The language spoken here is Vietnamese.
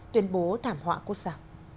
tuyên bố thảm họa quốc gia